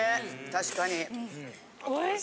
確かに！